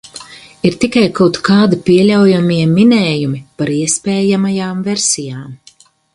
Ir tikai kaut kādi pieļaujamie minējumi par iespējamajām versijām...